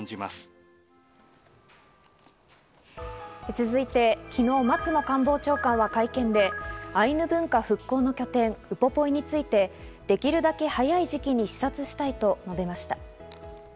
続いて昨日、松野官房長官は会見でアイヌ文化振興の拠点ウポポイについてできるだけ早い時期に視察したいと述べました。